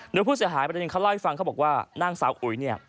โดยผู้เสียหายประเด็นเขาเล่าให้ฟังเขาบอกว่านางสาวอุ๋ยเนี่ย